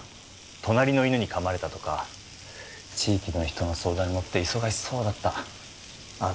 隣の犬に噛まれたとか地域の人の相談に乗って忙しそうだったああ